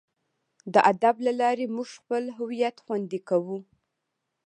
د ادب له لارې موږ خپل هویت خوندي کوو.